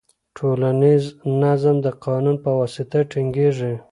ټولنیز نظم د قانون په واسطه ټینګیږي.